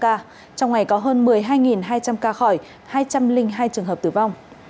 trong ngày có hơn một mươi hai hai trăm linh ca khỏi hai trăm linh hai trường hợp tử vong